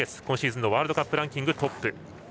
今シーズンのワールドカップランキングトップ。